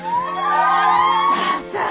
さあさあ